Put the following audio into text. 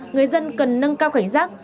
người dân cần nâng cao cảnh giác